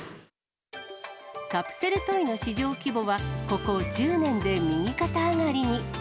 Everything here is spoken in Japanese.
カプセルトイの市場規模は、ここ１０年で右肩上がりに。